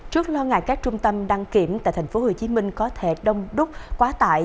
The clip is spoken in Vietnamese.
trước lo ngại các trung tâm đăng kiểm tại tp hcm có thể đông đúc quá tải